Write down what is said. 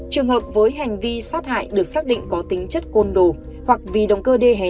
trường hợp với hành vi sát hại được xác định có tính chất côn đồ hoặc vì động cơ đê hè